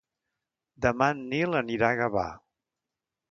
Demà en Nil anirà a Gavà.